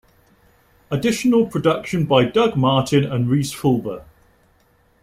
Additional production by Doug Martin and Rhys Fulber.